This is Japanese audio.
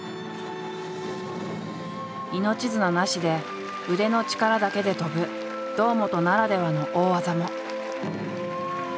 命綱なしで腕の力だけで飛ぶ堂本ならではの大技も。